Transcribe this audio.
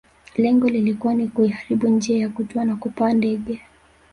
Lengo likiwa ni kuiharibu njia ya kutua na kupaa ndege